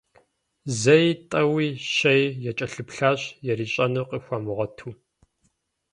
Зэи, тӏэуи, щэи якӏэлъыплъащ, ярищӏэнур къыхуэмыгъуэту.